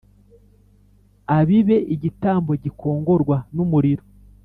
a bibe igitambo gikongorwa n umuriro